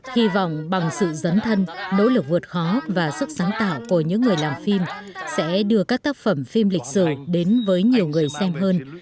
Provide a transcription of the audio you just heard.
hy vọng bằng sự dấn thân nỗ lực vượt khó và sức sáng tạo của những người làm phim sẽ đưa các tác phẩm phim lịch sử đến với nhiều người xem hơn